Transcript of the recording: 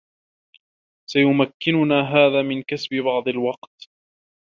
سيمكننا هذا من كسب بعض الوقت.